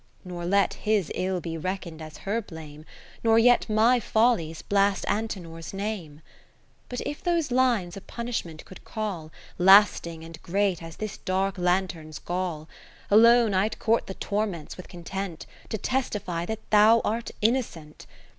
Nor let his ill be reckoned as her blame, Nor yet my follies blast Antenor's name. ( 535 ) But if those lines a punishment could call Lasting and great as this dark lanthorn's gall ; 20 Alone I'd court the torments with content. To testify that thou art innocent.